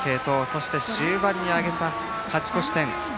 そして終盤に挙げた勝ち越し点。